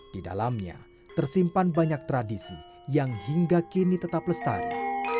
di dalamnya tersimpan banyak tradisi yang hingga kini tetap lestari